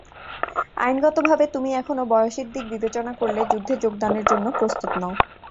আইনগতভাবে, তুমি এখনও বয়সের দিক বিবেচনা করলে যুদ্ধে যোগদানের জন্য প্রস্তুত নও।